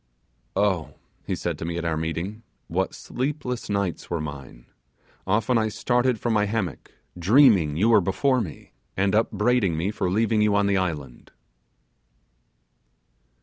... 'Oh!' said he to me at our meeting, 'what sleepless nights were mine. Often I started from my hammock, dreaming you were before me, and upbraiding me for leaving you on the island.